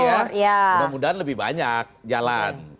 mudah mudahan lebih banyak jalan